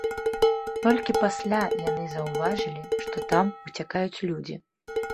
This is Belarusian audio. Толькі пасля яны заўважылі, што там уцякаюць людзі.